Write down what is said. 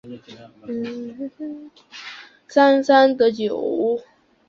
原声带中收录了剧中大部份的所有歌曲。